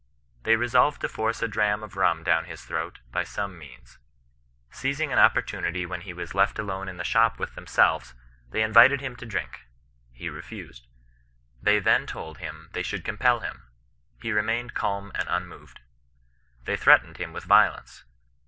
They resolved to force a dram of rum down his throat by some means. Seizing an opportunity when he was left alone in the shop with themselves, they invited him to drink. He refused. They then told him they should compel him. He remained calm and unmoved. They threatened him with violence.